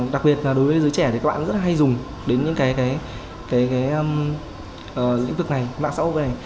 đặc biệt là đối với giới trẻ thì các bạn rất hay dùng đến những cái diễn tực này mạng xã hội này